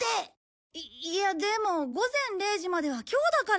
いいやでも午前０時までは今日だから。